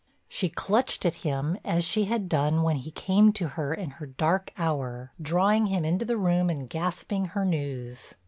She clutched at him as she had done when he came to her in her dark hour, drawing him into the room and gasping her news.